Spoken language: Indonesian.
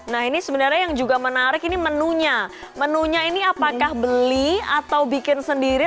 nah ini sebenarnya yang juga menarik ini menunya menunya ini apakah beli atau bikin sendiri